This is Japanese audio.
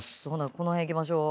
この辺いきましょう。